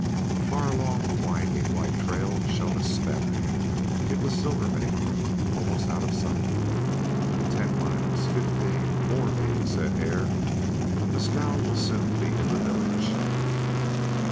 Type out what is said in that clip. Far along the winding white trail shone a speck. It was Silvermane almost out of sight. "Ten miles fifteen, more maybe," said Hare. "Mescal will soon be in the village."